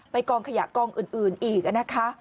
กองขยะกองอื่นอีกนะคะ